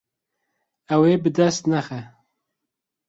Ew ê bi dest nexe.